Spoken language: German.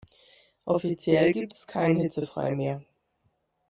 Offiziell gibt es kein Hitzefrei mehr.